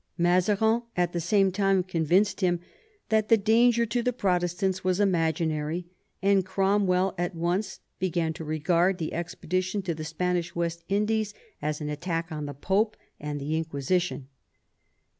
Mazarin at the same time convinced him that the danger to the Protestants was imaginary, and Crom well at once began to regard the expedition to the Spanish West Indies as an attack on the Pope and the Inquisition.